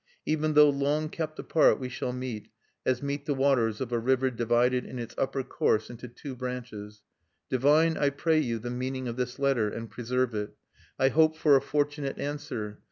"Even though long kept apart we shall meet, as meet the waters of a river divided in its upper course into two branches. "Divine, I pray you, the meaning of this letter, and preserve it. I hope for a fortunate answer.